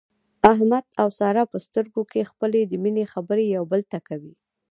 احمد او ساره په سترګو کې خپلې د مینې خبرې یو بل ته کوي.